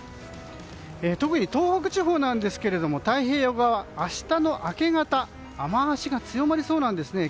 特に東北地方ですけど太平洋側明日の明け方雨脚が強まりそうなんですね。